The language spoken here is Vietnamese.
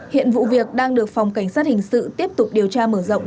hiện vụ việc đang được phòng cảnh sát hình sự tiếp tục điều tra mở rộng